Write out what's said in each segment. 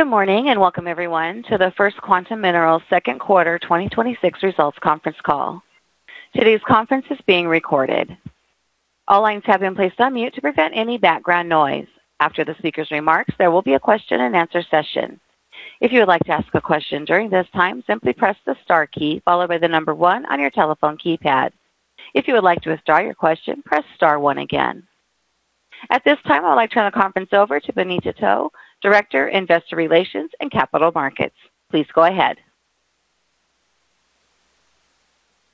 Good morning, welcome everyone to the First Quantum Minerals second quarter 2026 results conference call. Today's conference is being recorded. All lines have been placed on mute to prevent any background noise. After the speaker's remarks, there will be a question and answer session. If you would like to ask a question during this time, simply press the star key followed by the number one on your telephone keypad. If you would like to withdraw your question, press star one again. At this time, I would like to turn the conference over to Bonita To, Director, Investor Relations and Capital Markets. Please go ahead.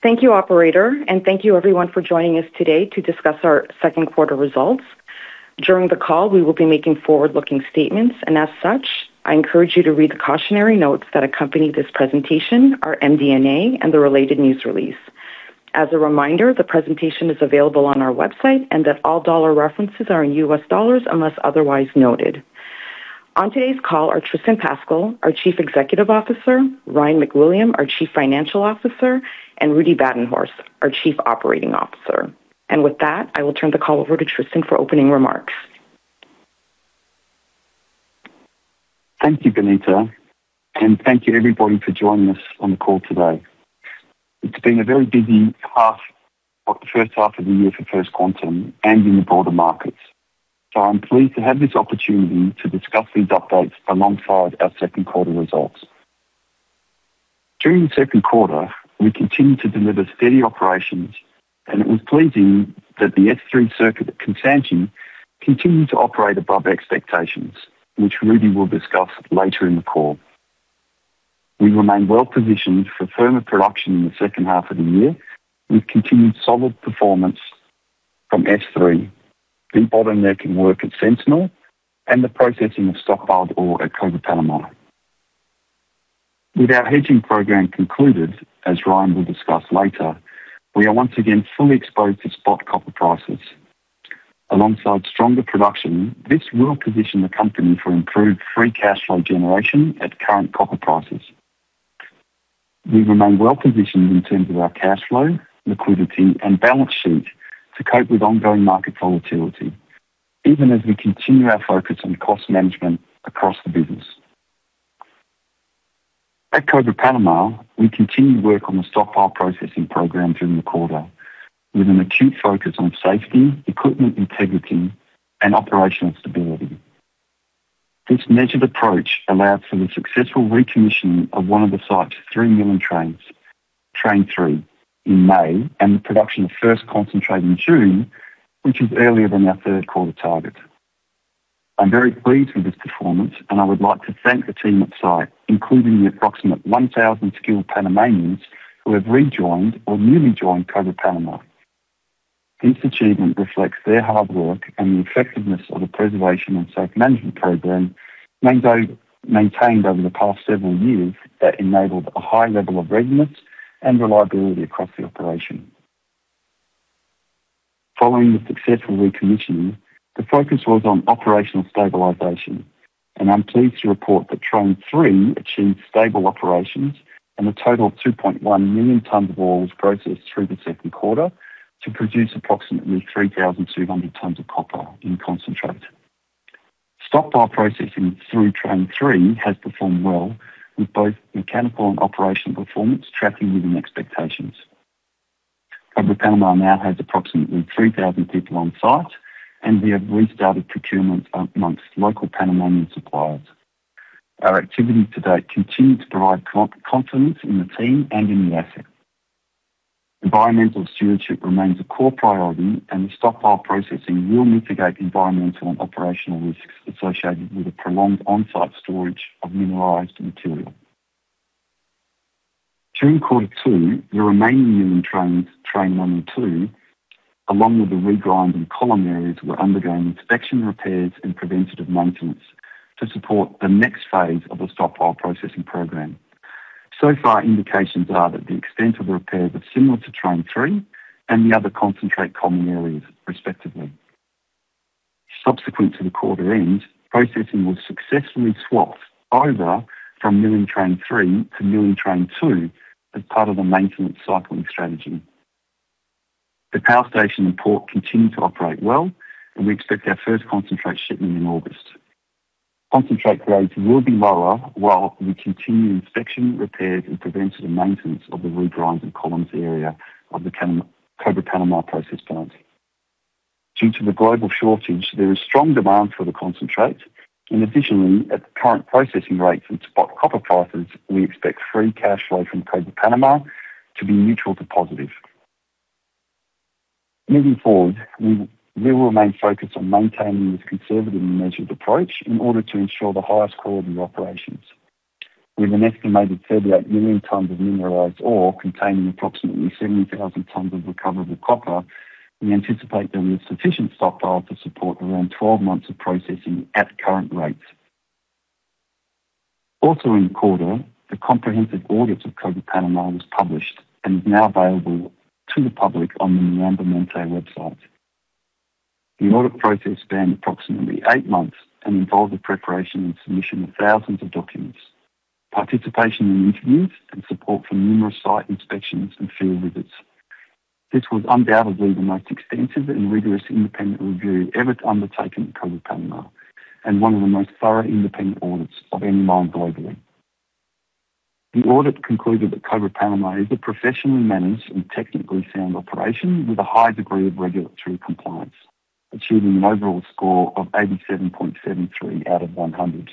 Thank you, operator. Thank you everyone for joining us today to discuss our second quarter results. During the call, we will be making forward-looking statements, and as such, I encourage you to read the cautionary notes that accompany this presentation, our MD&A, and the related news release. As a reminder, the presentation is available on our website and that all dollar references are in US dollars unless otherwise noted. On today's call are Tristan Pascall, our Chief Executive Officer, Ryan MacWilliam, our Chief Financial Officer, and Rudi Badenhorst, our Chief Operating Officer. With that, I will turn the call over to Tristan for opening remarks. Thank you, Bonita. Thank you everybody for joining us on the call today. It's been a very busy first half of the year for First Quantum and in the broader markets. I'm pleased to have this opportunity to discuss these updates alongside our second quarter results. During the second quarter, we continued to deliver steady operations, and it was pleasing that the S3 circuit at Constancia continued to operate above expectations, which Rudi will discuss later in the call. We remain well-positioned for further production in the second half of the year with continued solid performance from S3, the bottleneck in work at Sentinel, and the processing of stockpile ore at Cobre Panamá. With our hedging program concluded, as Ryan will discuss later, we are once again fully exposed to spot copper prices. Alongside stronger production, this will position the company for improved free cash flow generation at current copper prices. We remain well-positioned in terms of our cash flow, liquidity, and balance sheet to cope with ongoing market volatility, even as we continue our focus on cost management across the business. At Cobre Panamá, we continued work on the stockpile processing program during the quarter with an acute focus on safety, equipment integrity, and operational stability. This measured approach allowed for the successful re-commissioning of one of the site's three milling trains, Train 3, in May, and the production of first concentrate in June, which is earlier than our third quarter target. I'm very pleased with this performance, and I would like to thank the team on site, including the approximate 1,000 skilled Panamanians who have rejoined or newly joined Cobre Panamá. This achievement reflects their hard work and the effectiveness of the Preservation and Safe Management program maintained over the past several years that enabled a high level of readiness and reliability across the operation. Following the successful re-commissioning, the focus was on operational stabilization. I'm pleased to report that Train 3 achieved stable operations and a total of 2.1 million tons of ore was processed through the second quarter to produce approximately 3,200 tons of copper in concentrate. Stockpile processing through Train 3 has performed well with both mechanical and operational performance tracking within expectations. Cobre Panamá now has approximately 3,000 people on site. We have restarted procurement amongst local Panamanian suppliers. Our activities to date continue to provide confidence in the team and in the asset. Environmental stewardship remains a core priority. The stockpile processing will mitigate environmental and operational risks associated with a prolonged on-site storage of mineralized material. During quarter two, the remaining milling trains, Train 1 and Train 2, along with the regrind and column areas, were undergoing inspection, repairs, and preventative maintenance to support the next phase of the stockpile processing program. Indications are that the extent of the repairs are similar to Train 3 and the other concentrate column areas, respectively. Subsequent to the quarter end, processing was successfully swapped over from milling Train 3 to milling Train 2 as part of the maintenance cycling strategy. The power station and port continue to operate well. We expect our first concentrate shipment in August. Concentrate grades will be lower while we continue inspection, repairs, and preventative maintenance of the regrinds and columns area of the Cobre Panamá process plant. Due to the global shortage, there is strong demand for the concentrate. At the current processing rates and spot copper prices, we expect free cash flow from Cobre Panamá to be neutral to positive. Moving forward, we will remain focused on maintaining this conservative and measured approach in order to ensure the highest quality operations. With an estimated 38 million tons of mineralized ore containing approximately 70,000 tons of recoverable copper, we anticipate there is sufficient stockpile to support around 12 months of processing at current rates. In quarter, the comprehensive audit of Cobre Panamá was published and is now available to the public on the MiAmbiente website. The audit process spanned approximately eight months and involved the preparation and submission of thousands of Participation in interviews and support from numerous site inspections and field visits. This was undoubtedly the most extensive and rigorous independent review ever undertaken at Cobre Panamá. One of the most thorough independent audits of any mine globally. The audit concluded that Cobre Panamá is a professionally managed and technically sound operation with a high degree of regulatory compliance, achieving an overall score of 87.73 out of 100.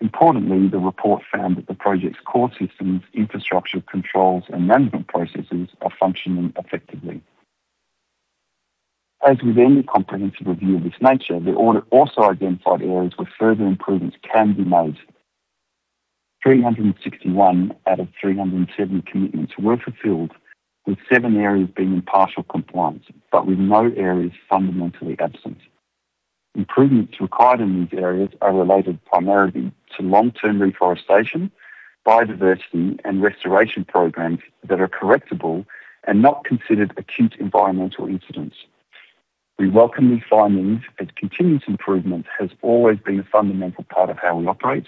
Importantly, the report found that the project's core systems, infrastructure controls, and management processes are functioning effectively. As with any comprehensive review of this nature, the audit also identified areas where further improvements can be made. 361 out of 370 commitments were fulfilled, with seven areas being in partial compliance, but with no areas fundamentally absent. Improvements required in these areas are related primarily to long-term reforestation, biodiversity, and restoration programs that are correctable and not considered acute environmental incidents. We welcome these findings, as continuous improvement has always been a fundamental part of how we operate,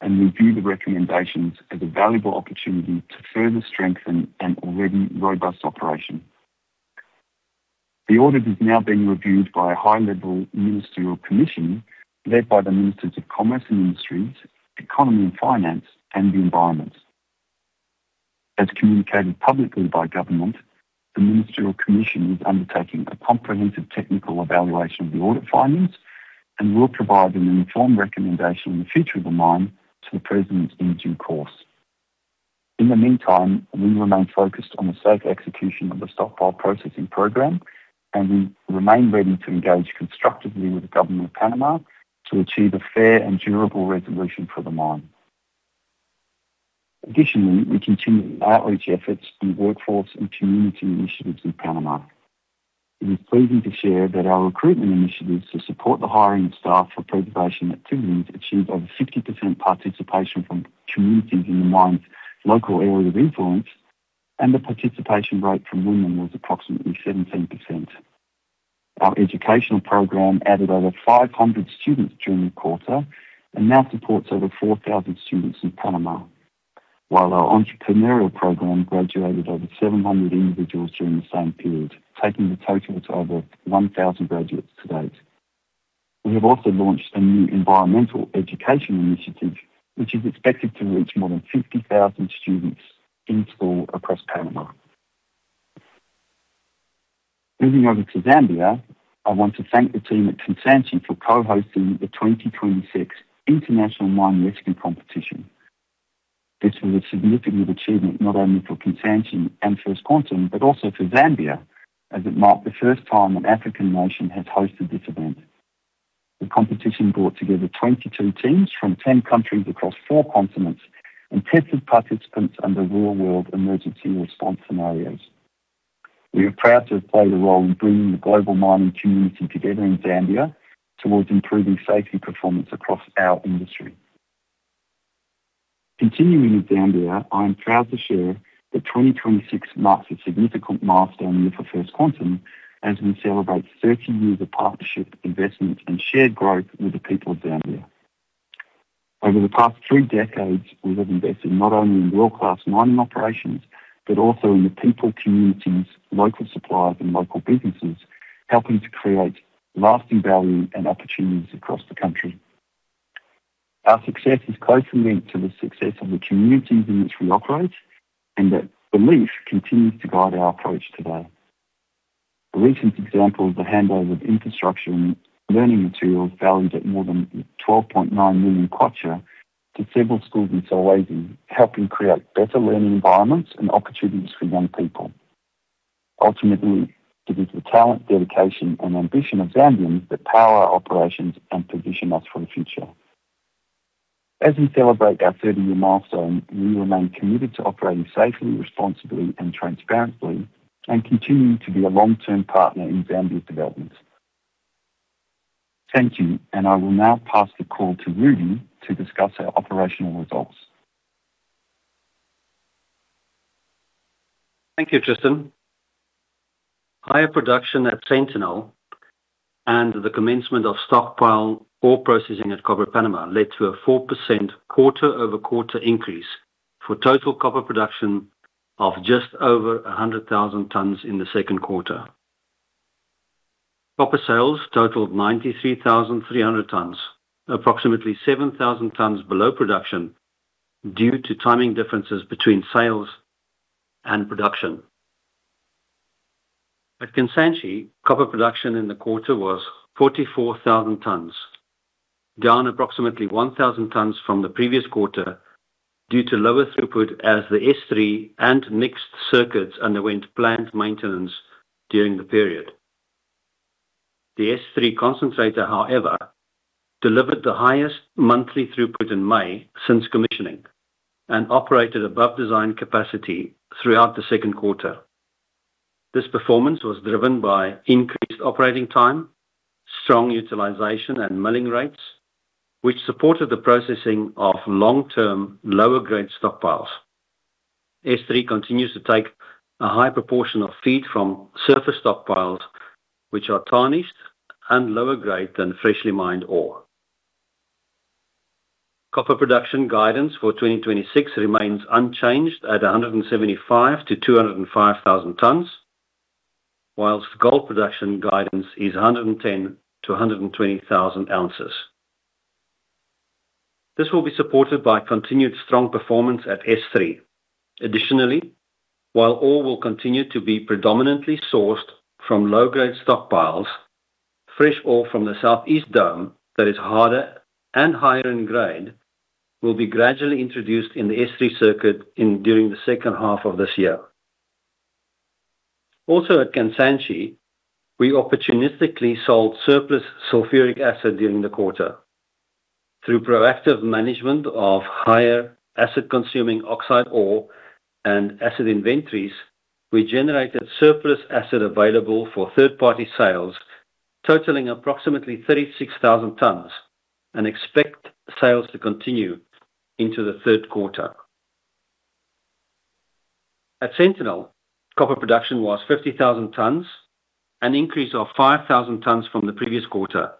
and we view the recommendations as a valuable opportunity to further strengthen an already robust operation. The audit is now being reviewed by a high-level ministerial commission led by the Ministers of Commerce and Industry, Economy and Finance, and the Environment. As communicated publicly by government, the ministerial commission is undertaking a comprehensive technical evaluation of the audit findings and will provide an informed recommendation on the future of the mine to the president in due course. In the meantime, we remain focused on the safe execution of the stockpile processing program, and we remain ready to engage constructively with the government of Panama to achieve a fair and durable resolution for the mine. Additionally, we continue outreach efforts through workforce and community initiatives in Panama. It is pleasing to share that our recruitment initiatives to support the hiring of staff for preservation activities achieved over 50% participation from communities in the mine's local area of influence, and the participation rate from women was approximately 17%. Our educational program added over 500 students during the quarter and now supports over 4,000 students in Panama. While our entrepreneurial program graduated over 700 individuals during the same period, taking the total to over 1,000 graduates to date. We have also launched a new environmental education initiative, which is expected to reach more than 50,000 students in school across Panama. Moving over to Zambia, I want to thank the team at Kansanshi for co-hosting the 2026 International Mine Rescue Competition. This was a significant achievement, not only for Kansanshi and First Quantum, but also for Zambia, as it marked the first time an African nation has hosted this event. The competition brought together 22 teams from 10 countries across four continents and tested participants under real-world emergency response scenarios. We are proud to have played a role in bringing the global mining community together in Zambia towards improving safety performance across our industry. Continuing in Zambia, I am proud to share that 2026 marks a significant milestone year for First Quantum as we celebrate 30 years of partnership, investment, and shared growth with the people of Zambia. Over the past three decades, we have invested not only in world-class mining operations, but also in the people, communities, local suppliers, and local businesses, helping to create lasting value and opportunities across the country. Our success is closely linked to the success of the communities in which we operate, and that belief continues to guide our approach today. A recent example is the handover of infrastructure and learning materials valued at more than ZMW 12.9 million to several schools in Solwezi, helping create better learning environments and opportunities for young people. Ultimately, it is the talent, dedication, and ambition of Zambians that power our operations and position us for the future. As we celebrate our 30-year milestone, we remain committed to operating safely, responsibly, and transparently and continuing to be a long-term partner in Zambia's development. Thank you, and I will now pass the call to Rudi to discuss our operational results. Thank you, Tristan. Higher production at Sentinel and the commencement of stockpile ore processing at Cobre Panamá led to a 4% quarter-over-quarter increase for total copper production of just over 100,000 tons in the second quarter. Copper sales totaled 93,300 tons, approximately 7,000 tons below production due to timing differences between sales and production. At Kansanshi, copper production in the quarter was 44,000 tons, down approximately 1,000 tons from the previous quarter due to lower throughput as the S3 and mixed circuits underwent plant maintenance during the period. The S3 concentrator, however, delivered the highest monthly throughput in May since commissioning and operated above design capacity throughout the second quarter. This performance was driven by increased operating time, strong utilization, and milling rates, which supported the processing of long-term, lower-grade stockpiles. S3 continues to take a high proportion of feed from surface stockpiles, which are tarnished and lower-grade than freshly mined ore. Copper production guidance for 2026 remains unchanged at 175,000 tons-205,000 tons, whilst gold production guidance is 110,000 ounces-120,000 ounces. This will be supported by continued strong performance at S3. Additionally, while ore will continue to be predominantly sourced from low-grade stockpiles, fresh ore from the southeast dome that is harder and higher in grade will be gradually introduced in the S3 circuit during the second half of this year. Also at Kansanshi, we opportunistically sold surplus sulfuric acid during the quarter. Through proactive management of higher acid-consuming oxide ore and acid inventories, we generated surplus acid available for third-party sales totaling approximately 36,000 tons and expect sales to continue into the third quarter. At Sentinel, copper production was 50,000 tons, an increase of 5,000 tons from the previous quarter.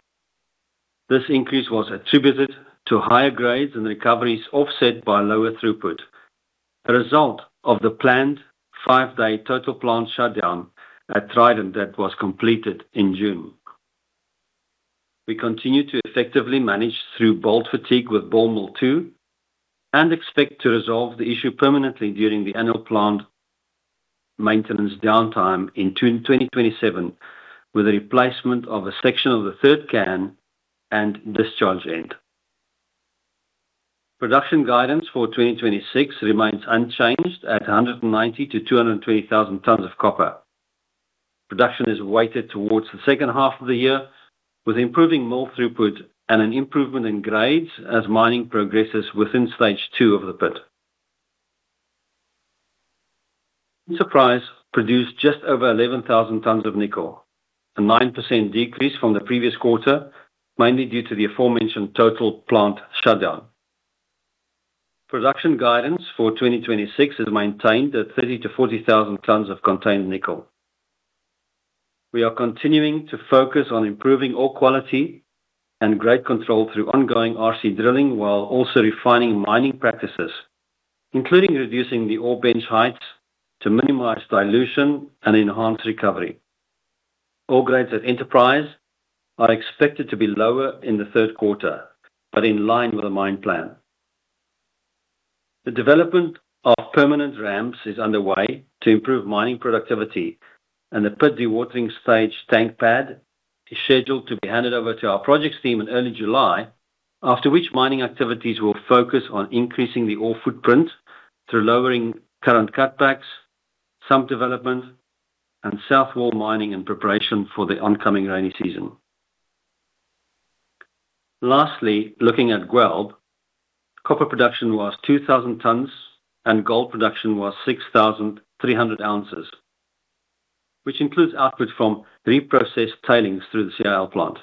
This increase was attributed to higher grades and recoveries offset by lower throughput, a result of the planned five-day total plant shutdown at Trident that was completed in June. We continue to effectively manage through bolt fatigue with Ball Mill 2 and expect to resolve the issue permanently during the annual plant maintenance downtime in 2027 with the replacement of a section of the third can and discharge end. Production guidance for 2026 remains unchanged at 190,000 tons-220,000 tons of copper. Production is weighted towards the second half of the year, with improving mill throughput and an improvement in grades as mining progresses within Stage 2 of the pit. Enterprise produced just over 11,000 tons of nickel, a 9% decrease from the previous quarter, mainly due to the aforementioned total plant shutdown. Production guidance for 2026 is maintained at 30,000 tons-40,000 tons of contained nickel. We are continuing to focus on improving ore quality and grade control through ongoing RC drilling, while also refining mining practices, including reducing the ore bench heights to minimize dilution and enhance recovery. Ore grades at Enterprise are expected to be lower in the third quarter, but in line with the mine plan. The development of permanent ramps is underway to improve mining productivity, and the pit dewatering stage tank pad is scheduled to be handed over to our projects team in early July, after which mining activities will focus on increasing the ore footprint through lowering current cutbacks, sump development, and south wall mining in preparation for the oncoming rainy season. Lastly, looking at Guelb, copper production was 2,000 tons and gold production was 6,300 ounces, which includes output from reprocessed tailings through the CIL plant.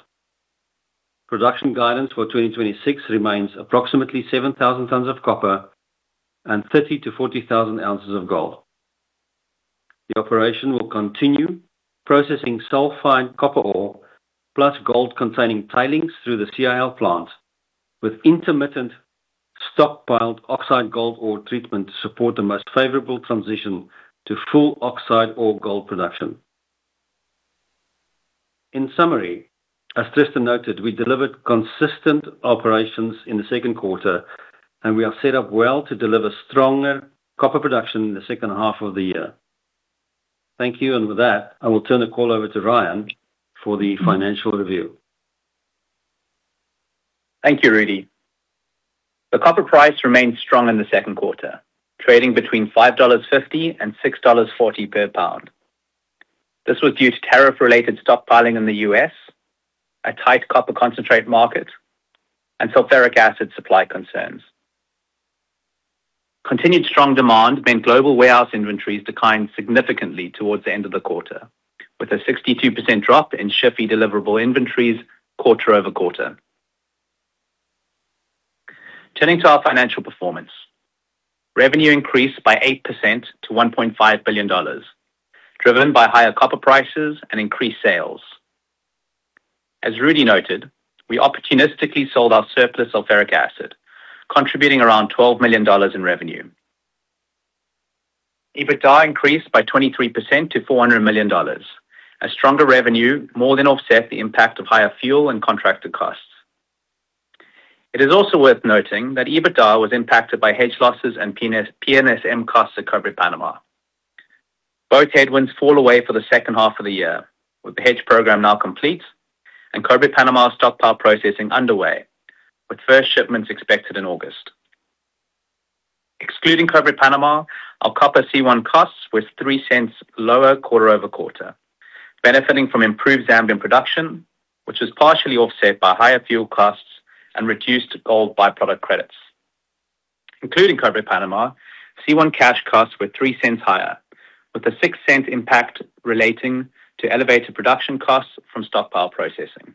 Production guidance for 2026 remains approximately 7,000 tons of copper and 30,000-40,000 ounces of gold. The operation will continue processing sulfide copper ore plus gold-containing tailings through the CIL plant, with intermittent stockpiled oxide gold ore treatment to support the most favorable transition to full oxide ore gold production. In summary, as Tristan noted, we delivered consistent operations in the second quarter and we are set up well to deliver stronger copper production in the second half of the year. Thank you. With that, I will turn the call over to Ryan for the financial review. Thank you, Rudi. The copper price remained strong in the second quarter, trading between $5.50-$6.40 per pound. This was due to tariff-related stockpiling in the U.S., a tight copper concentrate market, and sulfuric acid supply concerns. Continued strong demand meant global warehouse inventories declined significantly towards the end of the quarter, with a 62% drop in SHFE deliverable inventories quarter-over-quarter. Turning to our financial performance. Revenue increased by 8% to $1.5 billion, driven by higher copper prices and increased sales. As Rudi noted, we opportunistically sold our surplus sulfuric acid, contributing around $12 million in revenue. EBITDA increased by 23% to $400 million. A stronger revenue more than offset the impact of higher fuel and contracted costs. It is also worth noting that EBITDA was impacted by hedge losses and P&SM costs at Cobre Panamá. Both headwinds fall away for the second half of the year, with the hedge program now complete and Cobre Panamá stockpile processing underway, with first shipments expected in August. Excluding Cobre Panamá, our copper C1 costs were $0.03 lower quarter-over-quarter, benefiting from improved Zambian production, which was partially offset by higher fuel costs and reduced gold by-product credits. Including Cobre Panamá, C1 cash costs were $0.03 higher, with a $0.06 impact relating to elevated production costs from stockpile processing.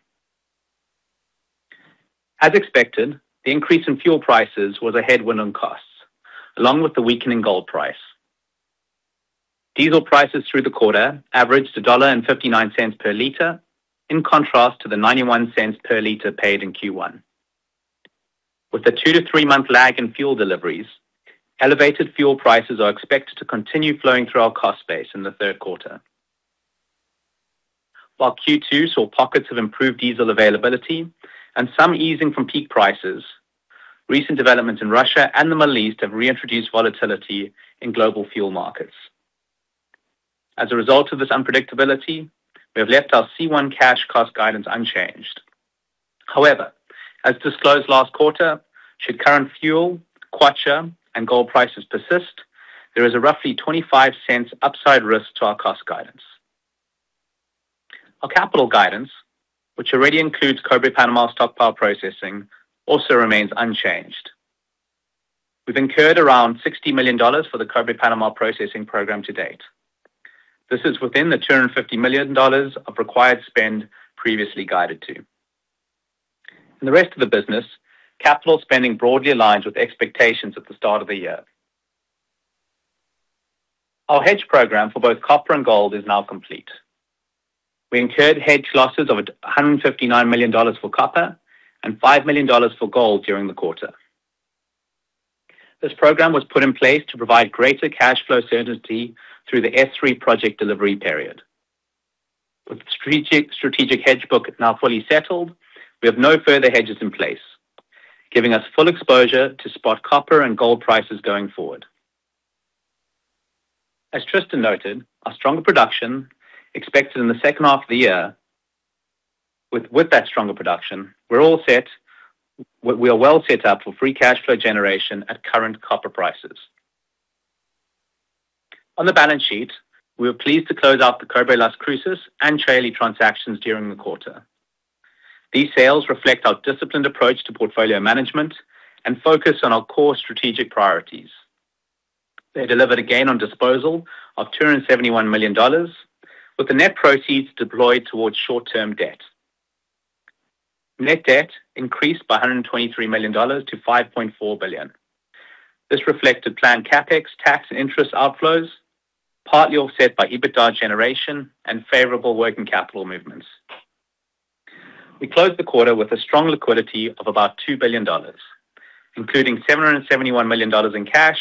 As expected, the increase in fuel prices was a headwind on costs, along with the weakening gold price. Diesel prices through the quarter averaged $1.59 per liter, in contrast to the $0.91 per liter paid in Q1. With the two to three month lag in fuel deliveries, elevated fuel prices are expected to continue flowing through our cost base in the third quarter. While Q2 saw pockets of improved diesel availability and some easing from peak prices, recent developments in Russia and the Middle East have reintroduced volatility in global fuel markets. As a result of this unpredictability, we have left our C1 cash cost guidance unchanged. As disclosed last quarter, should current fuel, kwacha, and gold prices persist, there is a roughly $0.25 upside risk to our cost guidance. Our capital guidance, which already includes Cobre Panamá's stockpile processing, also remains unchanged. We've incurred around $60 million for the Cobre Panamá processing program to date. This is within the $250 million of required spend previously guided to. In the rest of the business, capital spending broadly aligns with expectations at the start of the year. Our hedge program for both copper and gold is now complete. We incurred hedge losses of $159 million for copper and $5 million for gold during the quarter. This program was put in place to provide greater cash flow certainty through the S3 project delivery period. With strategic hedge book now fully settled, we have no further hedges in place, giving us full exposure to spot copper and gold prices going forward. As Tristan noted, our stronger production expected in the second half of the year. With that stronger production, we are well set up for free cash flow generation at current copper prices. On the balance sheet, we were pleased to close out the Cobre Las Cruces and Çayeli transactions during the quarter. These sales reflect our disciplined approach to portfolio management and focus on our core strategic priorities. They delivered a gain on disposal of $271 million, with the net proceeds deployed towards short-term debt. Net debt increased by $123 million-$5.4 billion. This reflected planned CapEx, tax, and interest outflows, partly offset by EBITDA generation and favorable working capital movements. We closed the quarter with a strong liquidity of about $2 billion, including $771 million in cash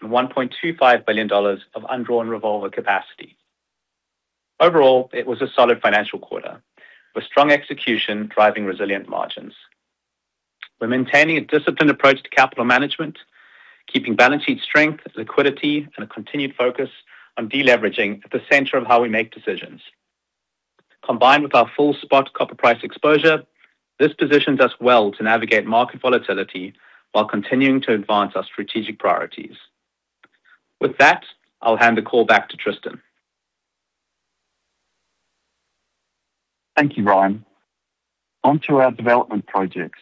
and $1.25 billion of undrawn revolver capacity. Overall, it was a solid financial quarter, with strong execution driving resilient margins. We're maintaining a disciplined approach to capital management, keeping balance sheet strength, liquidity, and a continued focus on deleveraging at the center of how we make decisions. Combined with our full spot copper price exposure, this positions us well to navigate market volatility while continuing to advance our strategic priorities. With that, I'll hand the call back to Tristan. Thank you, Ryan. On to our development projects.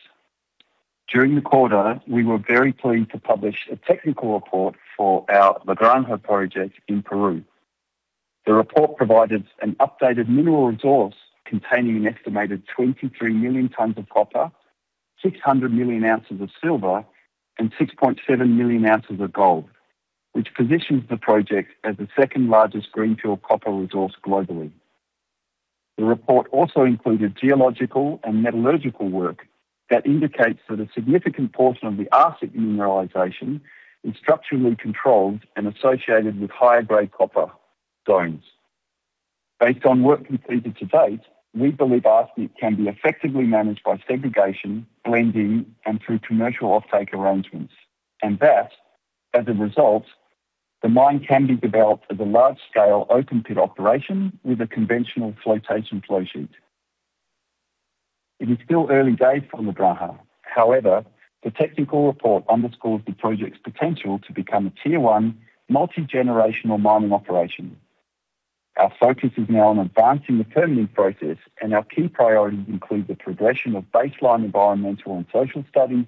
During the quarter, we were very pleased to publish a technical report for our La Granja project in Peru. The report provided an updated mineral resource containing an estimated 23 million tons of copper, 600 million ounces of silver, and 6.7 million ounces of gold, which positions the project as the second-largest greenfield copper resource globally. The report also included geological and metallurgical work that indicates that a significant portion of the arsenic mineralization is structurally controlled and associated with high-grade copper zones. Based on work completed to date, we believe arsenic can be effectively managed by segregation, blending, and through commercial offtake arrangements. That, as a result, the mine can be developed as a large-scale open-pit operation with a conventional flotation flow sheet. It is still early days for La Granja. However, the technical report underscores the project's potential to become a Tier 1 multi-generational mining operation. Our focus is now on advancing the permitting process, and our key priorities include the progression of baseline environmental and social studies,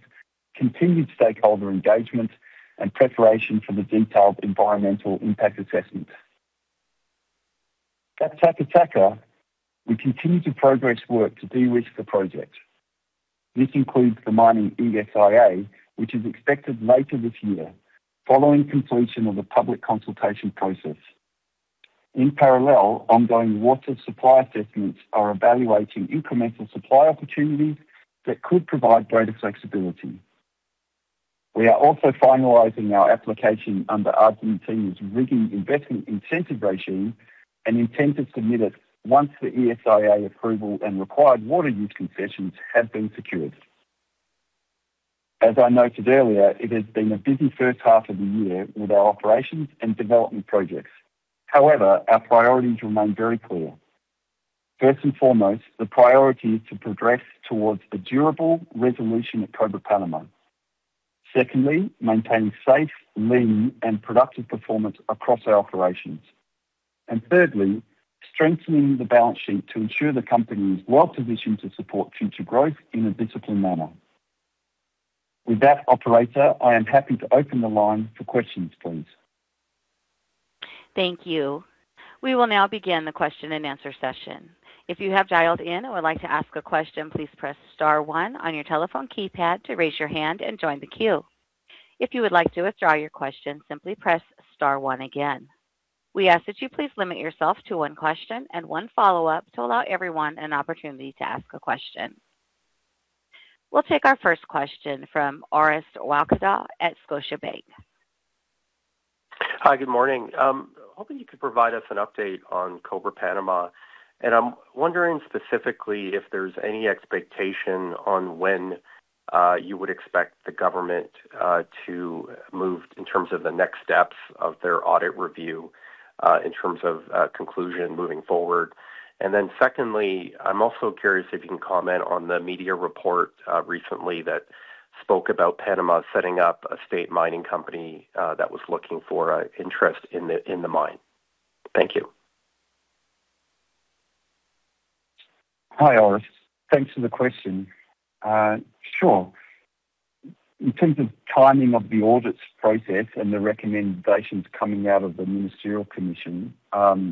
continued stakeholder engagement, and preparation for the detailed environmental impact assessments. At Taca Taca, we continue to progress work to de-risk the project. This includes the mining ESIA, which is expected later this year following completion of the public consultation process. In parallel, ongoing water supply assessments are evaluating incremental supply opportunities that could provide greater flexibility. We are also finalizing our application under Argentina's RIGI investment incentive regime and intend to submit it once the ESIA approval and required water use concessions have been secured. As I noted earlier, it has been a busy first half of the year with our operations and development projects. However, our priorities remain very clear. First and foremost, the priority is to progress towards a durable resolution at Cobre Panamá. Secondly, maintain safe, lean, and productive performance across our operations. Thirdly, strengthening the balance sheet to ensure the company is well-positioned to support future growth in a disciplined manner. With that, operator, I am happy to open the line for questions, please. Thank you. We will now begin the question-and-answer session. If you have dialed in or would like to ask a question, please press star one on your telephone keypad to raise your hand and join the queue. If you would like to withdraw your question, simply press star one again. We ask that you please limit yourself to one question and one follow-up to allow everyone an opportunity to ask a question. We will take our first question from Orest Wowkodaw at Scotiabank. Hi, good morning. Hoping you could provide us an update on Cobre Panamá, and I am wondering specifically if there is any expectation on when you would expect the government to move in terms of the next steps of their audit review, in terms of conclusion moving forward. Secondly, I am also curious if you can comment on the media report recently that spoke about Panama setting up a state mining company that was looking for interest in the mine. Thank you. Hi, Orest. Thanks for the question. Sure. In terms of timing of the audits process and the recommendations coming out of the ministerial commission, our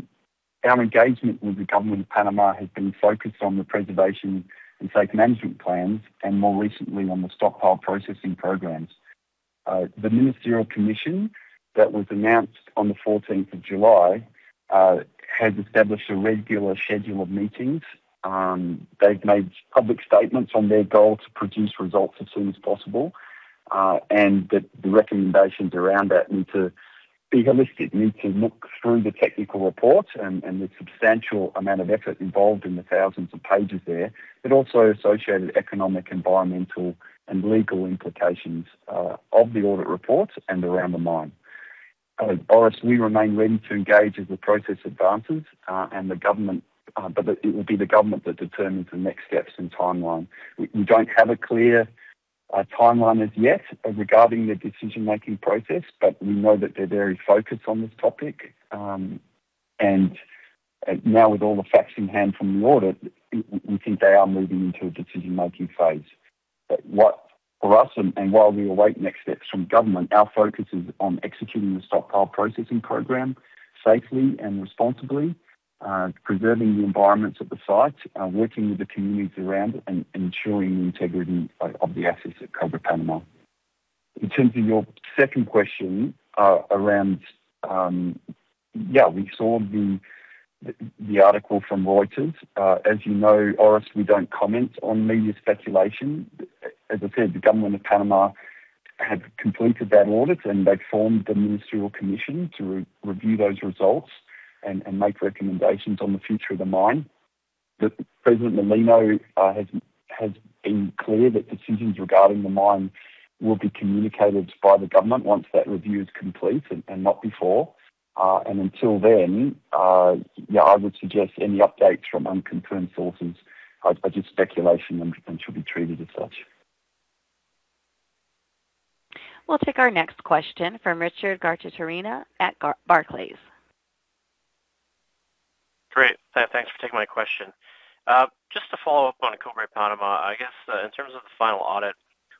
engagement with the government of Panamá has been focused on the Preservation and Safe Management plans, and more recently on the stockpile processing programs. The ministerial commission that was announced on the fourteenth of July, has established a regular schedule of meetings. They've made public statements on their goal to produce results as soon as possible, and that the recommendations around that need to be holistic, need to look through the technical reports and the substantial amount of effort involved in the thousands of pages there, also associated economic, environmental, and legal implications of the audit reports and around the mine. Orest, we remain ready to engage as the process advances, it will be the government that determines the next steps and timeline. We don't have a clear timeline as yet regarding the decision-making process, we know that they're very focused on this topic. Now with all the facts in hand from the audit, we think they are moving into a decision-making phase. For us, and while we await next steps from government, our focus is on executing the stockpile processing program safely and responsibly, preserving the environments at the site, working with the communities around, and ensuring the integrity of the assets at Cobre Panamá. In terms of your second question, we saw the article from Reuters. As you know, Orest, we don't comment on media speculation. As I said, the government of Panama have completed that audit, and they've formed the ministerial commission to review those results and make recommendations on the future of the mine. President Mulino has been clear that decisions regarding the mine will be communicated by the government once that review is complete and not before. Until then, I would suggest any updates from unconfirmed sources are just speculation and should be treated as such. We'll take our next question from Richard Garchitorena at Barclays. Great. Thanks for taking my question. Just to follow up on Cobre Panamá, I guess, in terms of the final audit,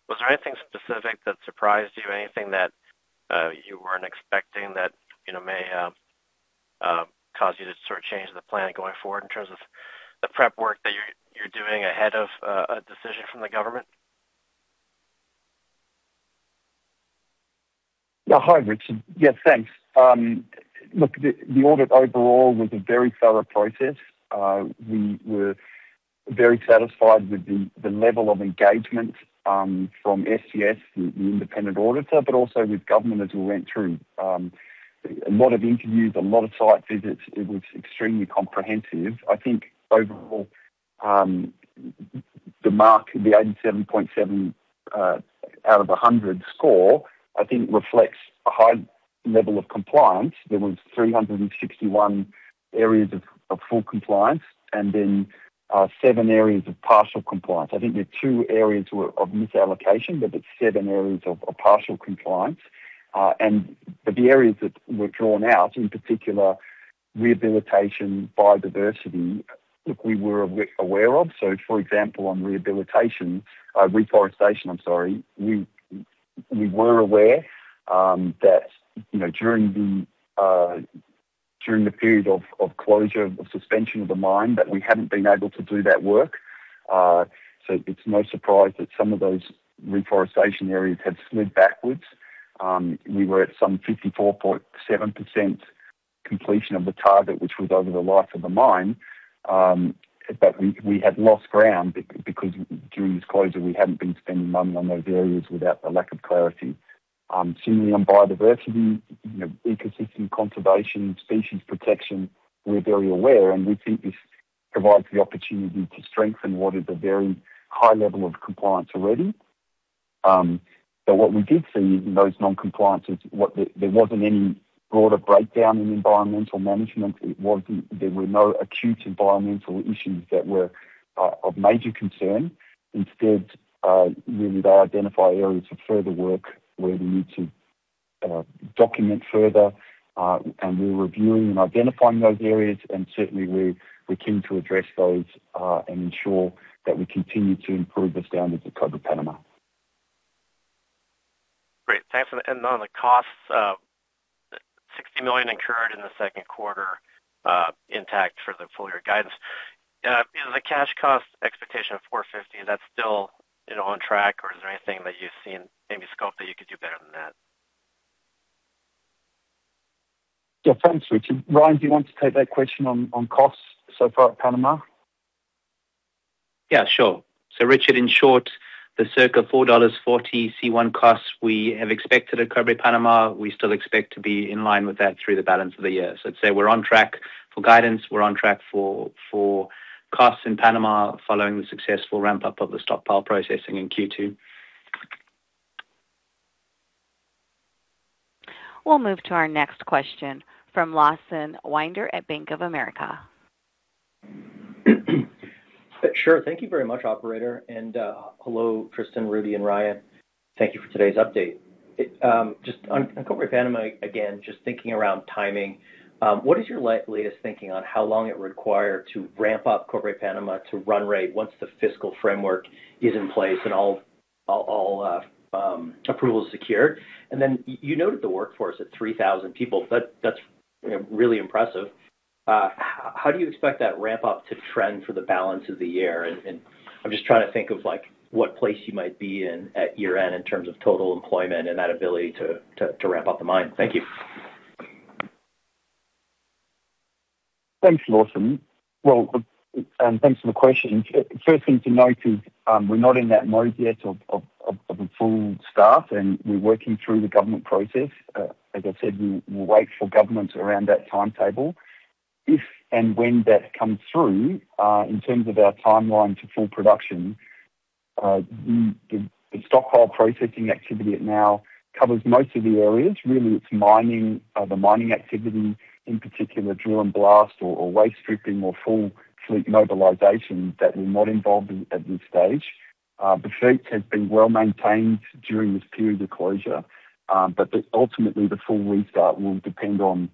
was there anything specific that surprised you? Anything that you weren't expecting that may cause you to sort of change the plan going forward in terms of the prep work that you're doing ahead of a decision from the government? Hi, Richard. Thanks. Look, the audit overall was a very thorough process. We were very satisfied with the level of engagement from SCS, the independent auditor, but also with government as we went through. A lot of interviews, a lot of site visits. It was extremely comprehensive. I think overall, the mark, the 87.7 out of 100 score, I think reflects a high level of compliance. There was 361 areas of full compliance and then seven areas of partial compliance. I think there are two areas of misallocation, but there's seven areas of partial compliance. But the areas that were drawn out, in particular, rehabilitation, biodiversity, look, we were aware of. For example, on rehabilitation, reforestation, I'm sorry, we were aware that during the period of closure, of suspension of the mine, that we hadn't been able to do that work. It's no surprise that some of those reforestation areas had slid backwards. We were at some 54.7% completion of the target, which was over the life of the mine, but we had lost ground because during this closure, we hadn't been spending money on those areas without the lack of clarity. Similarly, on biodiversity, ecosystem conservation, species protection, we're very aware, and we think this provides the opportunity to strengthen what is a very high level of compliance already. But what we did see in those non-compliances, there wasn't any broader breakdown in environmental management. There were no acute environmental issues that were of major concern. Instead, really, they identify areas of further work where we need to document further. And we're reviewing and identifying those areas and certainly we're keen to address those, and ensure that we continue to improve the standards of Cobre Panamá. Great. Thanks. And on the costs, $60 million incurred in the second quarter, intact for the full year guidance. The cash cost expectation of $450, that's still on track, or is there anything that you've seen, maybe scope that you could do better than that? Thanks, Richard. Ryan, do you want to take that question on costs so far at Panama? Yeah, sure. Richard, in short, the circa $4.40 C1 costs we have expected at Cobre Panamá, we still expect to be in line with that through the balance of the year. I'd say we're on track for guidance, we're on track for costs in Panamá following the successful ramp-up of the stockpile processing in Q2. We'll move to our next question from Lawson Winder at Bank of America. Sure. Thank you very much, operator. Hello, Tristan, Rudi, and Ryan. Thank you for today's update. Just on Cobre Panamá, again, just thinking around timing, what is your latest thinking on how long it would require to ramp up Cobre Panamá to run rate once the fiscal framework is in place and all approvals secured? You noted the workforce at 3,000 people. That's really impressive. How do you expect that ramp-up to trend for the balance of the year? I'm just trying to think of what place you might be in at year-end in terms of total employment and that ability to ramp up the mine. Thank you. Thanks, Lawson. Thanks for the question. First thing to note is, we're not in that mode yet of a full staff, we're working through the government process. As I said, we'll wait for government around that timetable. If and when that comes through, in terms of our timeline to full production, the stockpile processing activity now covers most of the areas. Really, it's the mining activity, in particular, drill and blast or waste stripping or full fleet mobilization that we're not involved in at this stage. The fleets have been well-maintained during this period of closure. Ultimately, the full restart will depend on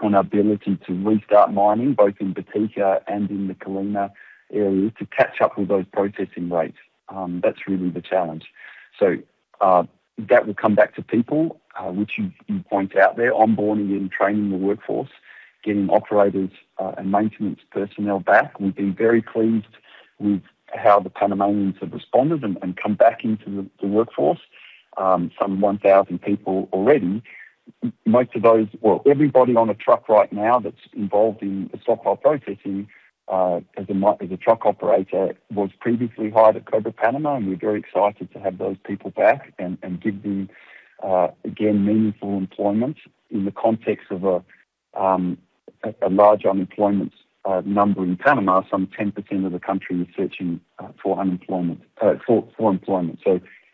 our ability to restart mining, both in Botija and in the Colina areas, to catch up with those processing rates. That's really the challenge. That will come back to people, which you point out there, onboarding and training the workforce, getting operators and maintenance personnel back. We've been very pleased with how the Panamanians have responded and come back into the workforce. Some 1,000 people already. Everybody on a truck right now that's involved in the stockpile processing, as a truck operator, was previously hired at Cobre Panamá, and we're very excited to have those people back and give them, again, meaningful employment in the context of a large unemployment number in Panama. Some 10% of the country is searching for employment.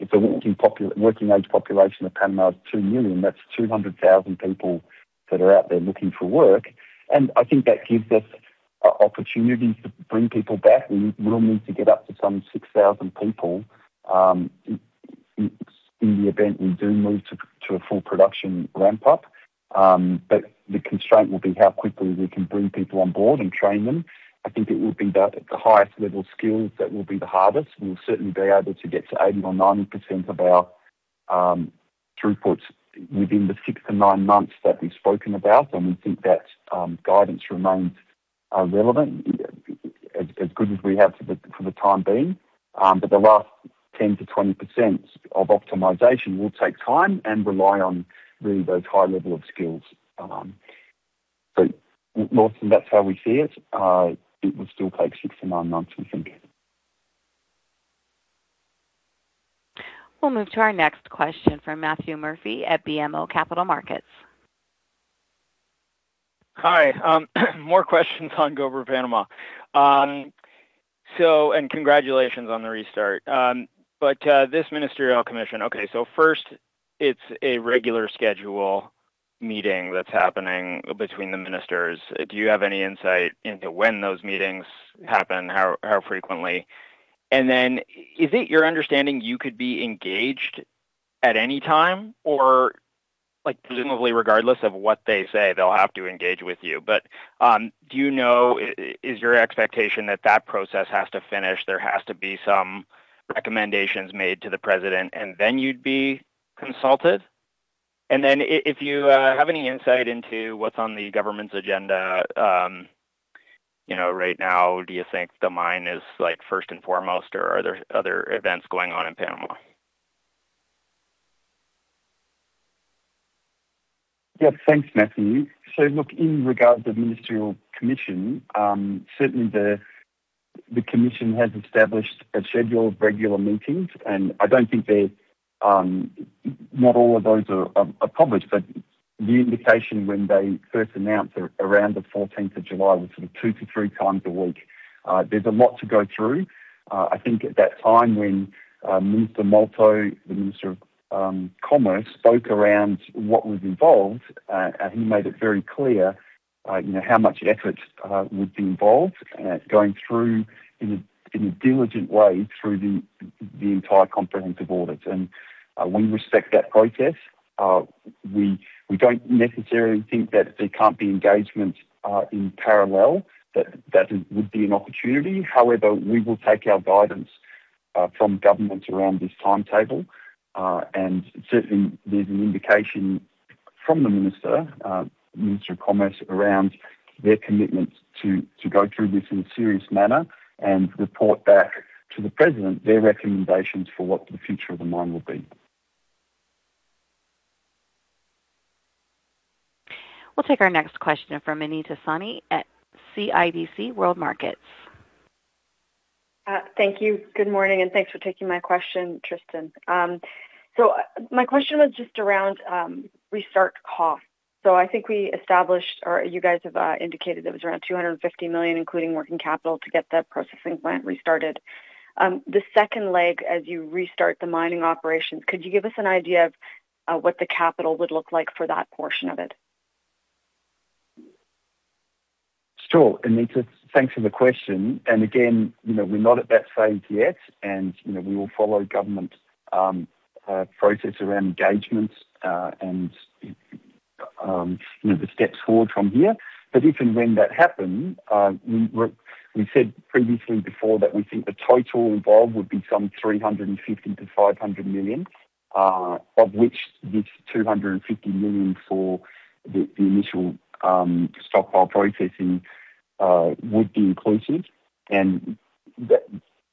If the working-age population of Panama is two million, that's 200,000 people that are out there looking for work. I think that gives us opportunities to bring people back. We will need to get up to some 6,000 people in the event we do move to a full production ramp-up. The constraint will be how quickly we can bring people on board and train them. I think it will be the highest level skills that will be the hardest. We'll certainly be able to get to 80% or 90% of our throughput within the six to nine months that we've spoken about, and we think that guidance remains relevant, as good as we have for the time being. The last 10%-20% of optimization will take time and rely on really those high level of skills. Lawson, that's how we see it. It will still take six to nine months, we think. We'll move to our next question from Matthew Murphy at BMO Capital Markets. Hi. More questions on Cobre Panamá. Congratulations on the restart. This ministerial commission, it's a regular schedule meeting that's happening between the ministers. Do you have any insight into when those meetings happen, how frequently? Is it your understanding you could be engaged at any time? Presumably, regardless of what they say, they'll have to engage with you. Do you know, is your expectation that process has to finish, there has to be some recommendations made to the president, and then you'd be consulted? If you have any insight into what's on the government's agenda right now, do you think the mine is first and foremost, or are there other events going on in Panama? Yeah. Thanks, Matthew. Look, in regards to the ministerial commission, certainly the commission has established a schedule of regular meetings, and I don't think not all of those are published, but the indication when they first announced around the July 14th was sort of 2x-3x a week. There's a lot to go through. I think at that time when Minister Molto, the Minister of Commerce, spoke around what was involved, he made it very clear how much effort would be involved, going through in a diligent way through the entire comprehensive orders. We respect that process. We don't necessarily think that there can't be engagement in parallel, that would be an opportunity. However, we will take our guidance from government around this timetable. Certainly, there's an indication from the Minister of Commerce around their commitments to go through this in a serious manner and report back to the president their recommendations for what the future of the mine will be. We'll take our next question from Anita Soni at CIBC World Markets. Thank you. Good morning, and thanks for taking my question, Tristan. My question was just around restart costs. I think we established, or you guys have indicated it was around $250 million, including working capital, to get the processing plant restarted. The second leg, as you restart the mining operations, could you give us an idea of what the capital would look like for that portion of it? Sure. Anita, thanks for the question. Again, we're not at that phase yet, we will follow government process around engagement, and the steps forward from here. If and when that happens, we said previously before that we think the total involved would be some $350 million-$500 million, of which this $250 million for the initial stockpile processing would be included.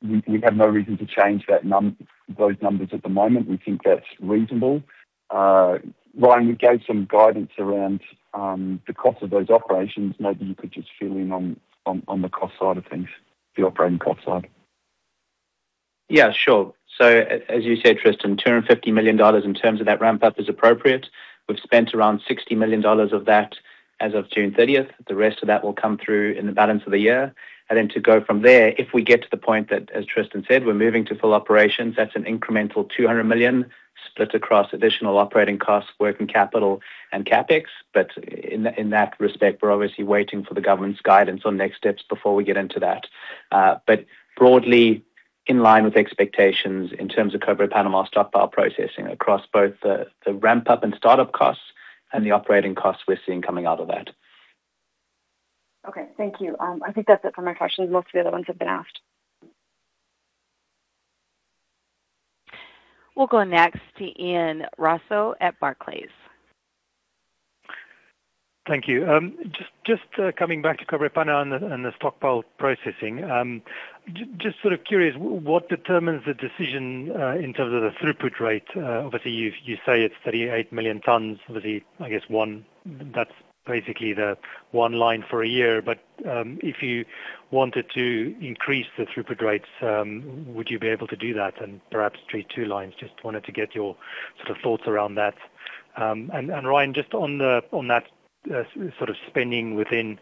We have no reason to change those numbers at the moment. We think that's reasonable. Ryan, we gave some guidance around the cost of those operations. Maybe you could just fill in on the cost side of things, the operating cost side. Yeah, sure. As you said, Tristan, $250 million in terms of that ramp-up is appropriate. We've spent around $60 million of that as of June 30th. The rest of that will come through in the balance of the year. Then to go from there, if we get to the point that, as Tristan said, we're moving to full operations, that's an incremental $200 million split across additional operating costs, working capital, and CapEx. In that respect, we're obviously waiting for the government's guidance on next steps before we get into that. Broadly, in line with expectations in terms of Cobre Panamá stockpile processing across both the ramp-up and start-up costs and the operating costs we're seeing coming out of that. Okay. Thank you. I think that's it for my questions. Most of the other ones have been asked. We'll go next to Ian Rossouw at Barclays. Thank you. Just coming back to Cobre Panamá and the stockpile processing. Just sort of curious, what determines the decision in terms of the throughput rate? Obviously, you say it's 38 million tons. I guess, that's basically the one line for a year. If you wanted to increase the throughput rates, would you be able to do that and perhaps treat two lines? Just wanted to get your sort of thoughts around that. Ryan, just on that sort of spending within,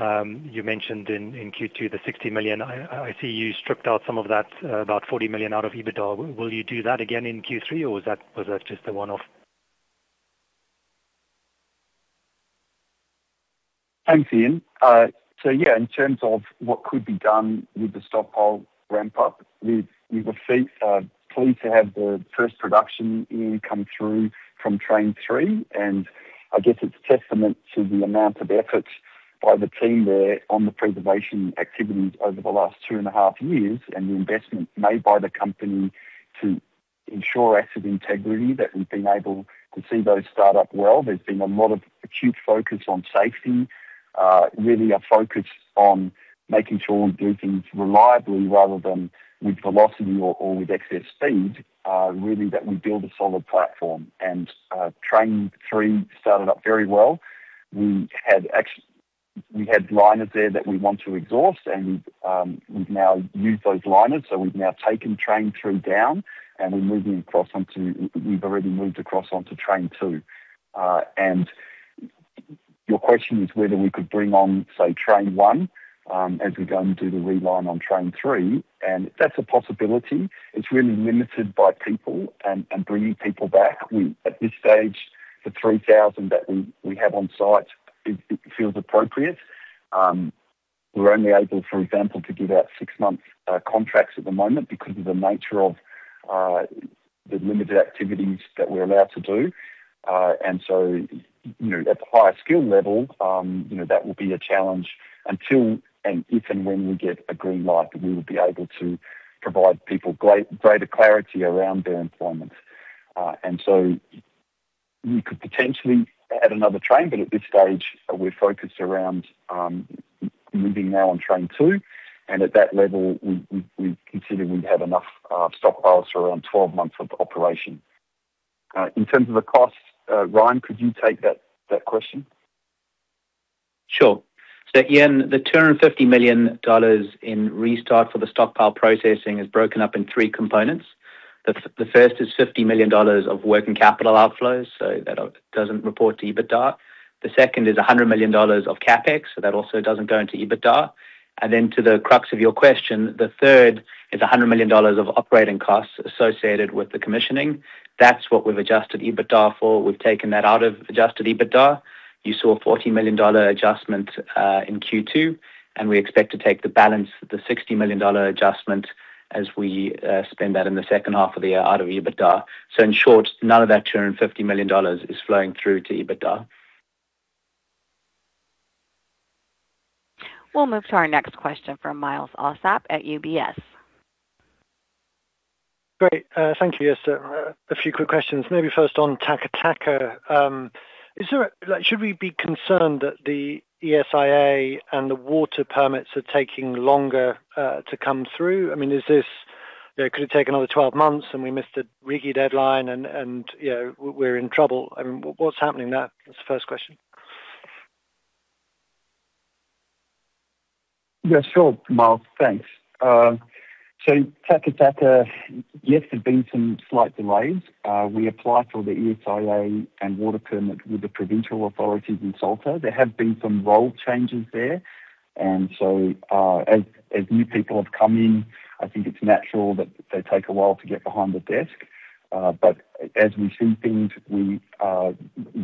you mentioned in Q2, the $60 million. I see you stripped out some of that, about $40 million out of EBITDA. Will you do that again in Q3, or was that just a one-off? Thanks, Ian. Yeah, in terms of what could be done with the stockpile ramp-up, we were pleased to have the first production ear come through from Train 3, and I guess it's testament to the amount of effort by the team there on the preservation activities over the last 2.5 Years and the investment made by the company to ensure asset integrity, that we've been able to see those start up well. There's been a lot of acute focus on safety. Really a focus on making sure we do things reliably rather than with velocity or with excess speed, really that we build a solid platform. Train 3 started up very well. We had liners there that we want to exhaust, and we've now used those liners. We've now taken Train 3 down and we've already moved across onto Train 2. Your question is whether we could bring on, say, Train 1, as we go and do the reline on Train 3, and that's a possibility. It's really limited by people and bringing people back. At this stage, the 3,000 that we have on site, it feels appropriate. We're only able, for example, to give out six-month contracts at the moment because of the nature of the limited activities that we're allowed to do. At the higher skill level, that will be a challenge until and if and when we get a green light, we will be able to provide people greater clarity around their employment. We could potentially add another train, but at this stage, we're focused around moving now on Train 2, and at that level, we'd consider we'd have enough stockpiles for around 12 months of operation. In terms of the costs, Ryan, could you take that question? Sure. Ian, the $250 million in restart for the stockpile processing is broken up in three components. The first is $50 million of working capital outflows, that doesn't report to EBITDA. The second is $100 million of CapEx, that also doesn't go into EBITDA. Then to the crux of your question, the third is $100 million of operating costs associated with the commissioning. That's what we've adjusted EBITDA for. We've taken that out of adjusted EBITDA. You saw a $40 million adjustment, in Q2, we expect to take the balance, the $60 million adjustment as we spend that in the second half of the year out of EBITDA. In short, none of that $250 million is flowing through to EBITDA. We'll move to our next question from Myles Allsop at UBS. Great. Thank you. Yes, a few quick questions, maybe first on Taca Taca. Should we be concerned that the ESIA and the water permits are taking longer to come through? Could it take another 12 months and we missed the RIGI deadline and we're in trouble? What's happening there? That's the first question. Yes, sure, Myles. Thanks. Taca Taca, yes, there have been some slight delays. We applied for the ESIA and water permit with the provincial authorities in Salta. There have been some role changes there, as new people have come in, I think it's natural that they take a while to get behind the desk. As we see things in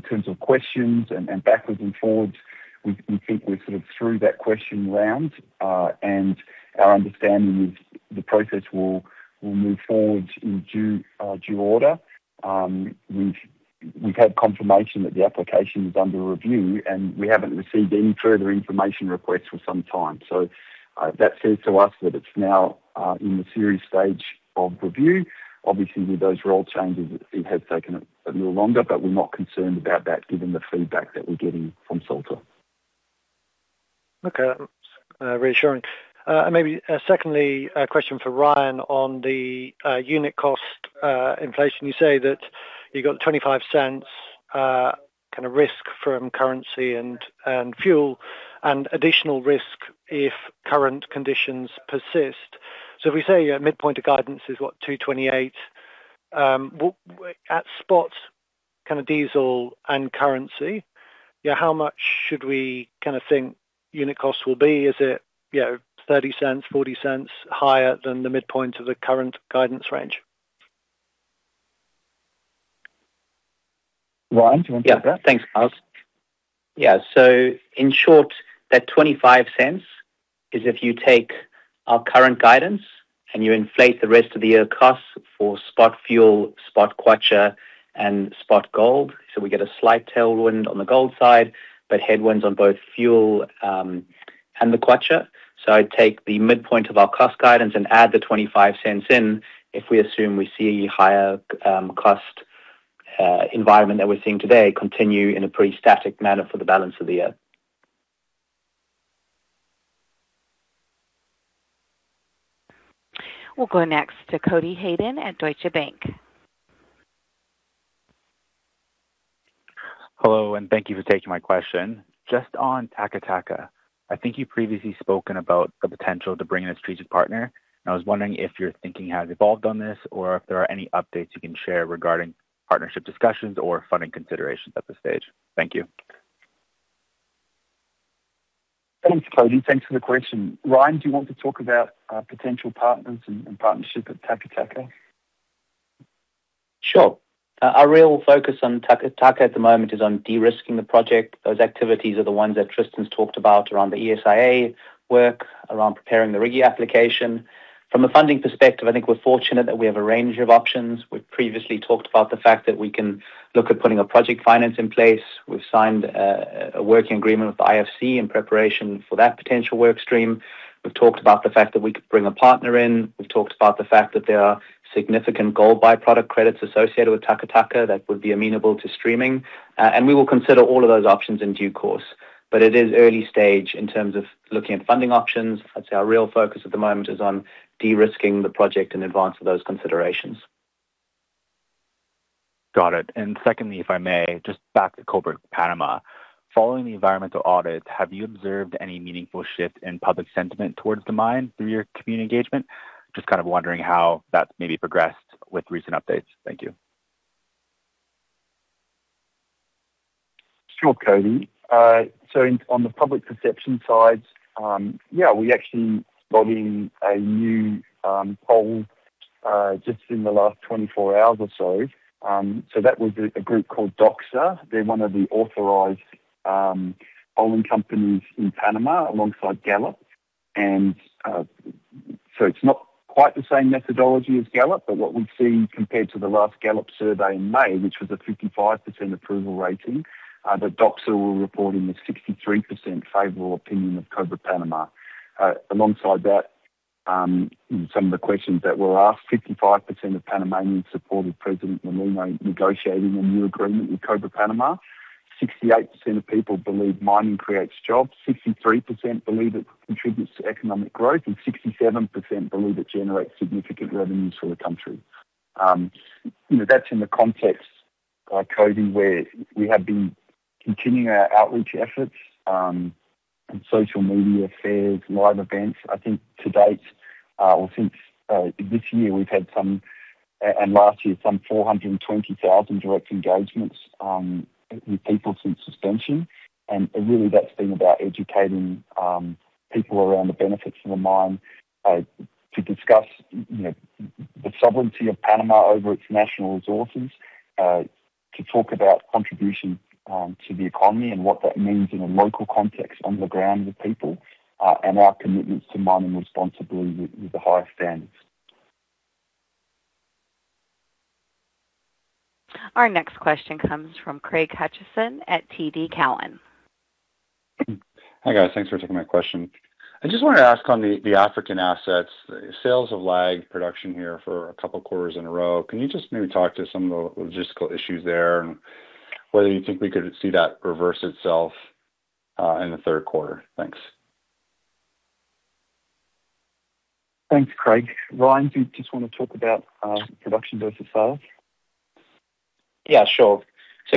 terms of questions and backwards and forwards, we think we're sort of through that question round. Our understanding is the process will move forward in due order. We've had confirmation that the application is under review, we haven't received any further information requests for some time. That says to us that it's now in the serious stage of review. Obviously, with those role changes, it has taken a little longer, but we're not concerned about that given the feedback that we're getting from Salta. Okay. That's reassuring. Maybe secondly, a question for Ryan on the unit cost inflation. You say that you got $0.25 risk from currency and fuel, and additional risk if current conditions persist. If we say midpoint of guidance is, what, $2.28, at spot diesel and currency, how much should we think unit cost will be? Is it $0.30, $0.40 higher than the midpoint of the current guidance range? Ryan, do you want to take that? Yeah. Thanks, Myles. In short, that $0.25 is if you take our current guidance and you inflate the rest of the year costs for spot fuel, spot kwacha, and spot gold. I take the midpoint of our cost guidance and add the $0.25 in if we assume we see a higher cost environment than we're seeing today continue in a pretty static manner for the balance of the year. We'll go next to Cody Hayden at Deutsche Bank. Hello. Thank you for taking my question. Just on Taca Taca, I think you've previously spoken about the potential to bring in a strategic partner. I was wondering if your thinking has evolved on this or if there are any updates you can share regarding partnership discussions or funding considerations at this stage. Thank you. Thanks, Cody. Thanks for the question. Ryan, do you want to talk about potential partners and partnership at Taca Taca? Sure. Our real focus on Taca Taca at the moment is on de-risking the project. Those activities are the ones that Tristan's talked about around the ESIA work, around preparing the RIGI application. From a funding perspective, I think we're fortunate that we have a range of options. We've previously talked about the fact that we can look at putting a project finance in place. We've signed a working agreement with the IFC in preparation for that potential work stream. We've talked about the fact that we could bring a partner in. We've talked about the fact that there are significant gold byproduct credits associated with Taca Taca that would be amenable to streaming. We will consider all of those options in due course. It is early stage in terms of looking at funding options. I'd say our real focus at the moment is on de-risking the project in advance of those considerations. Got it. Secondly, if I may, just back to Cobre Panama. Following the environmental audit, have you observed any meaningful shift in public sentiment towards the mine through your community engagement? Just kind of wondering how that's maybe progressed with recent updates. Thank you. Sure, Cody. On the public perception side, yeah, we actually logged in a new poll just in the last 24 hours or so. That was a group called Doxa. They're one of the authorized polling companies in Panama alongside Gallup. It's not quite the same methodology as Gallup, but what we've seen compared to the last Gallup survey in May, which was a 55% approval rating, that Doxa were reporting a 63% favorable opinion of Cobre Panama. Alongside that, some of the questions that were asked, 55% of Panamanians supported President Mulino negotiating a new agreement with Cobre Panama, 68% of people believe mining creates jobs, 63% believe it contributes to economic growth, and 67% believe it generates significant revenues for the country. That's in the context, Cody, where we have been continuing our outreach efforts on social media fairs, live events. I think to date or since this year, we've had some, and last year, some 420,000 direct engagements with people since suspension. Really that's been about educating people around the benefits of the mine, to discuss the sovereignty of Panama over its national resources, to talk about contributions to the economy and what that means in a local context on the ground with people, and our commitments to mining responsibly with the highest standards. Our next question comes from Craig Hutchison at TD Cowen. Hi guys. Thanks for taking my question. I just wanted to ask on the African assets, sales have lagged production here for a couple quarters in a row. Can you just maybe talk to some of the logistical issues there and whether you think we could see that reverse itself in the third quarter? Thanks. Thanks, Craig. Ryan, do you just want to talk about production versus sales? Yeah, sure.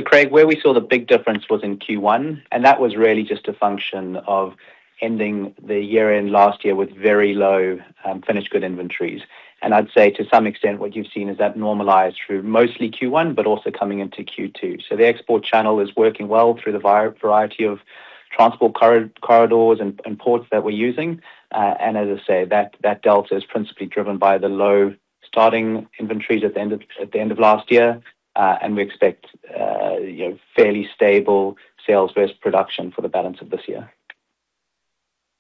Craig, where we saw the big difference was in Q1, and that was really just a function of ending the year-end last year with very low finished good inventories. I'd say to some extent what you've seen is that normalize through mostly Q1, but also coming into Q2. The export channel is working well through the variety of transport corridors and ports that we're using. As I say, that delta is principally driven by the low starting inventories at the end of last year. We expect fairly stable sales versus production for the balance of this year.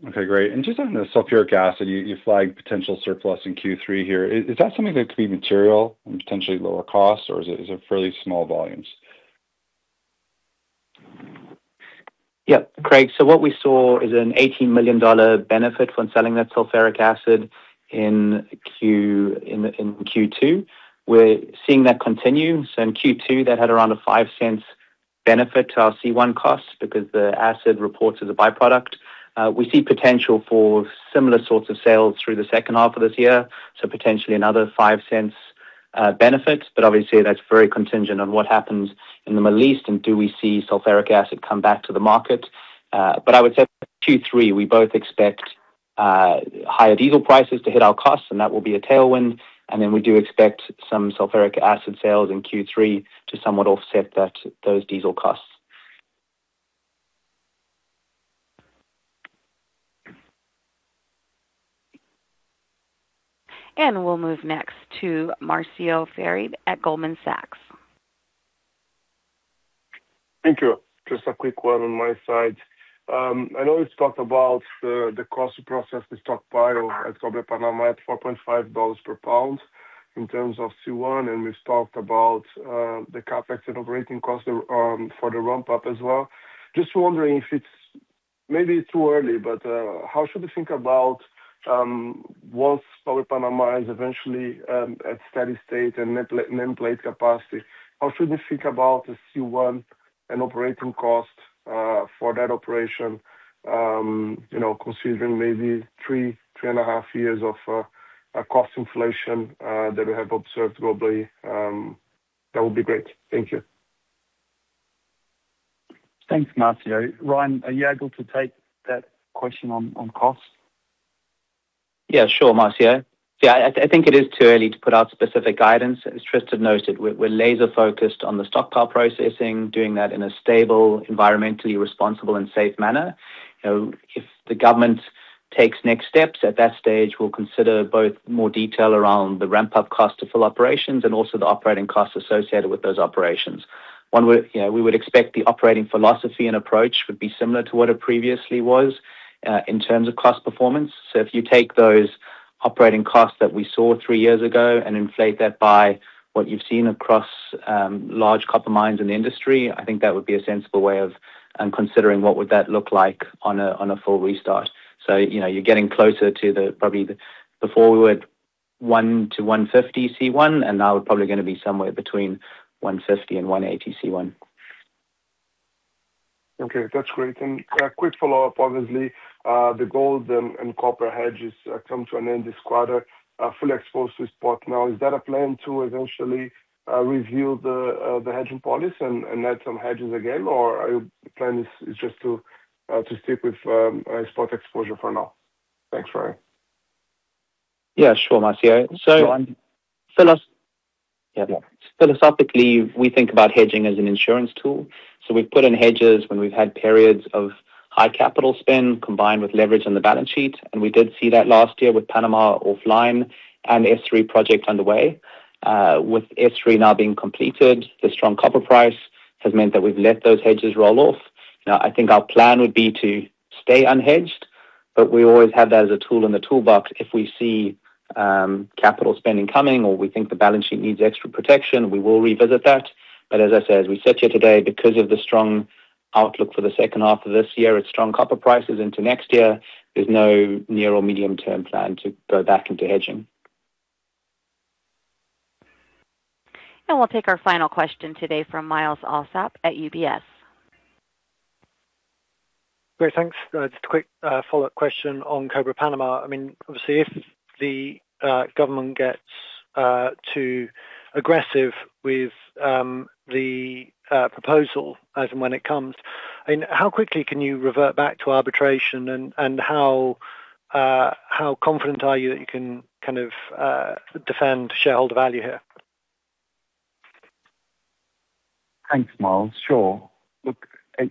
Okay, great. Just on the sulfuric acid, you flagged potential surplus in Q3 here. Is that something that could be material and potentially lower cost, or is it fairly small volumes? Yep. Craig, what we saw is an $18 million benefit from selling that sulfuric acid in Q2. We're seeing that continue. In Q2, that had around a $0.05 benefit to our C1 cost because the acid reports as a by-product. We see potential for similar sorts of sales through the second half of this year, potentially another $0.05 benefit. Obviously, that's very contingent on what happens in the Middle East and do we see sulfuric acid come back to the market. I would say Q3, we both expect higher diesel prices to hit our costs and that will be a tailwind, and then we do expect some sulfuric acid sales in Q3 to somewhat offset those diesel costs. We'll move next to Marcio Farid at Goldman Sachs. Thank you. Just a quick one on my side. I know we've talked about the cost to process the stockpile at Cobre Panamá at $4.5 per pound in terms of C1. We've talked about the CapEx and operating cost for the ramp-up as well. Just wondering if it's maybe too early, how should we think about once Cobre Panamá is eventually at steady state and nameplate capacity, how should we think about the C1 and operating cost for that operation, considering maybe three and a half years of cost inflation that we have observed globally? That would be great. Thank you. Thanks, Marcio. Ryan, are you able to take that question on costs? Sure, Marcio. I think it is too early to put out specific guidance. As Tristan noted, we are laser-focused on the stockpile processing, doing that in a stable, environmentally responsible, and safe manner. If the government takes next steps at that stage, we will consider both more detail around the ramp-up cost to full operations and also the operating costs associated with those operations. We would expect the operating philosophy and approach would be similar to what it previously was, in terms of cost performance. If you take those operating costs that we saw three years ago and inflate that by what you have seen across large copper mines in the industry, I think that would be a sensible way of considering what would that look like on a full restart. You are getting closer to the, probably before we were at 1 C1-150 C1, and now we are probably going to be somewhere between 150 C1-180 C1. Okay. That is great. A quick follow-up. Obviously, the gold and copper hedges come to an end this quarter, are fully exposed to spot now. Is that a plan to eventually review the hedging policy and add some hedges again, or the plan is just to stick with spot exposure for now? Thanks, Ryan. Sure, Marcio. Go on. Philosophically, we think about hedging as an insurance tool. We've put in hedges when we've had periods of high capital spend combined with leverage on the balance sheet, and we did see that last year with Panama offline and the S3 project underway. With S3 now being completed, the strong copper price has meant that we've let those hedges roll off. I think our plan would be to stay unhedged, but we always have that as a tool in the toolbox. If we see capital spending coming or we think the balance sheet needs extra protection, we will revisit that. As I said, as we sit here today, because of the strong outlook for the second half of this year and strong copper prices into next year, there's no near or medium-term plan to go back into hedging. We'll take our final question today from Myles Allsop at UBS. Great. Thanks. Just a quick follow-up question on Cobre Panamá. Obviously, if the government gets too aggressive with the proposal as and when it comes, how quickly can you revert back to arbitration and how confident are you that you can kind of defend shareholder value here? Thanks, Myles. Sure. Look,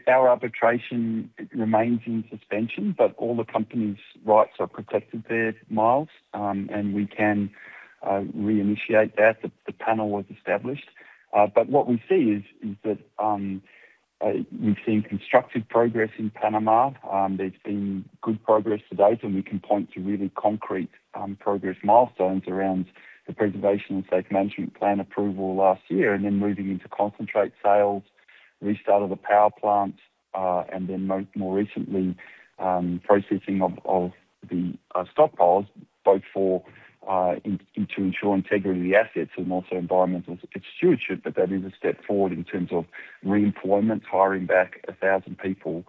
our arbitration remains in suspension, but all the company's rights are protected there, Myles, and we can reinitiate that. The panel was established. What we see is that we've seen constructive progress in Panama. There's been good progress to date, and we can point to really concrete progress milestones around the Preservation and Safe Management plan approval last year, then moving into concentrate sales, restart of the power plant, then more recently, processing of the stockpiles, both to ensure integrity of the assets and also environmental stewardship, but that is a step forward in terms of re-employment, hiring back 1,000 people.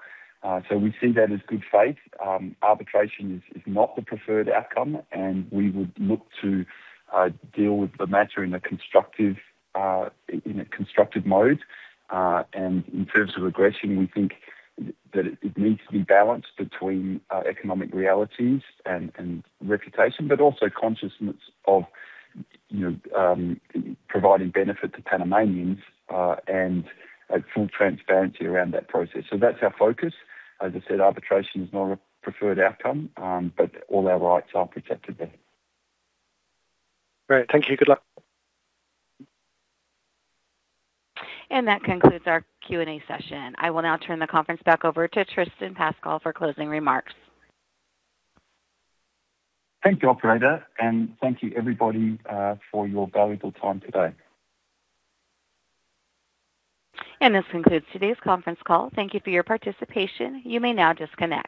We see that as good faith. Arbitration is not the preferred outcome, and we would look to deal with the matter in a constructive mode. In terms of aggression, we think that it needs to be balanced between economic realities and reputation, but also consciousness of providing benefit to Panamanians, and full transparency around that process. That's our focus. As I said, arbitration is not a preferred outcome, but all our rights are protected there. Great. Thank you. Good luck. That concludes our Q&A session. I will now turn the conference back over to Tristan Pascall for closing remarks. Thank you, operator, and thank you everybody for your valuable time today. This concludes today's conference call. Thank you for your participation. You may now disconnect.